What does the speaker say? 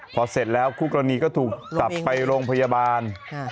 พอเสร็จแล้วคู่กรณีก็ถูกจับไปโรงพยาบาล